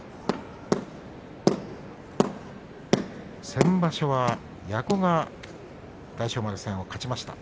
先場所は矢後が大翔丸戦、勝ちました。